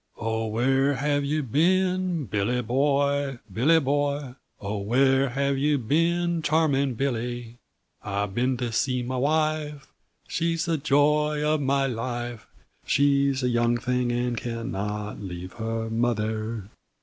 "Oh, where have you been, Billy boy, Billy boy? Oh, where have you been, charming Billy? I've been to see my wife, She's the joy of my life, She's a young thing and cannot leave her mother."